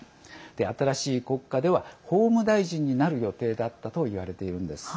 新しい国家では法務大臣になる予定だったといわれているんです。